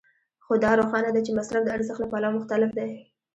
خو دا روښانه ده چې مصرف د ارزښت له پلوه مختلف دی